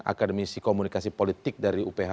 akademisi komunikasi politik dari uph